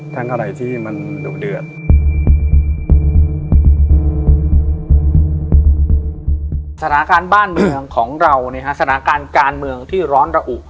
ทั้งอะไรที่มันดูดเดือด